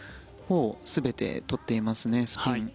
４全て取っていますねスピン。